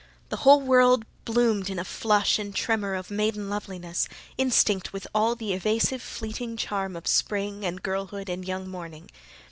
The whole world bloomed in a flush and tremor of maiden loveliness, instinct with all the evasive, fleeting charm of spring and girlhood and young morning.